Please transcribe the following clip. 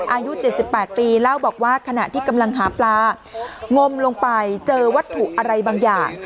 อายุ๗๘ปีเล่าบอกว่าขณะที่กำลังหาปลางมลงไปเจอวัตถุอะไรบางอย่าง